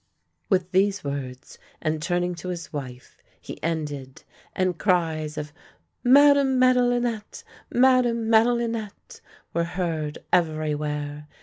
" With these words, and turning to his wife, he ended, and cries of " Madame Madelinette! Madame Made linette! " were heard everywhere.